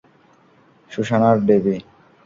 Susan আর ডেবি।